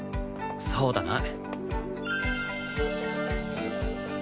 そうだな。